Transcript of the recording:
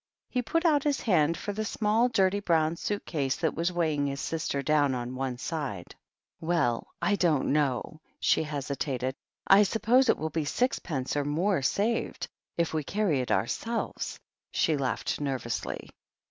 He put out his hand for the small, dirty, brown suit case that was weighing his sister down on one side. "Well — ^I don't know," she hesitated.. "I suppose it will be sixpence or more saved, if we carry it our selves." She laughed nervously.